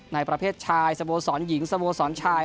ประเภทชายสโมสรหญิงสโมสรชาย